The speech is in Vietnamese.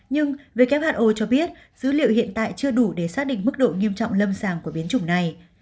nhưng who cho biết dữ liệu hiện tại chưa đủ để xác định mức độ nghiêm trọng lâm sàng của biến chủng này